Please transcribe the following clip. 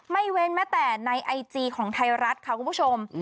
เว้นแม้แต่ในไอจีของไทยรัฐค่ะคุณผู้ชม